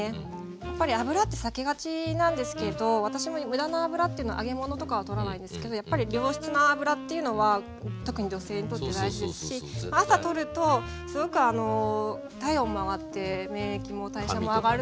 やっぱり油って避けがちなんですけど私も無駄な油というのは揚げ物とかは取らないですけどやっぱり良質な油っていうのは特に女性にとって大事ですし朝取るとすごく体温も上がって免疫も代謝も上がるので。